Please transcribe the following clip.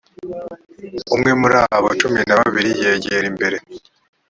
umwe muri abo cumi na babiri yegera imbere